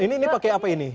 ini pakai apa ini